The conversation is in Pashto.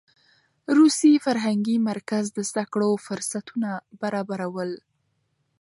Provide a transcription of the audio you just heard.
روسي فرهنګي مرکز د زده کړو فرصتونه برابرول.